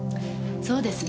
そうですね